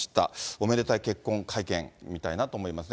おめでたい結婚会見、見たいなと思いますね。